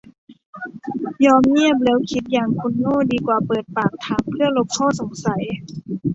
ยอมเงียบแล้วคิดอย่างคนโง่ดีกว่าเปิดปากถามเพื่อลบข้อสงสัย